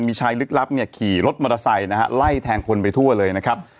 มีชายลึกลับเนี่ยขี่รถมอเตอร์ไซค์นะฮะไล่แทงคนไปทั่วเลยนะครับ